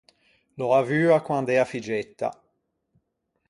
L’ò avua quand’ea figgetta.